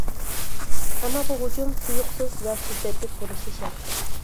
ئەمما بۇ ھۇجۇم تۇيۇقسىز ۋە شىددەتلىك بولۇشى شەرت.